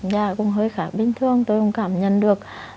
dạ cũng hơi khác bình thường tôi cũng cảm nhận được